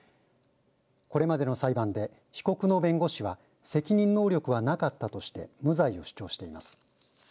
これまでの裁判で被告の弁護士は責任能力はなかったとして無罪を主張しています。